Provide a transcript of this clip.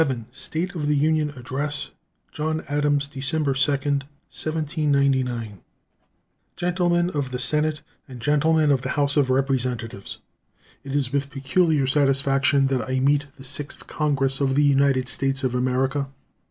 State of the Union Address John Adams December 3, 1799 Gentlemen of the Senate and Gentlemen of the House of Representatives: It is with peculiar satisfaction that I meet the 6th Congress of the United States of America.